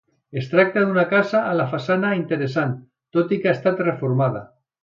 Es tracta d'una casa amb la façana interessant, tot i que ha estat reformada.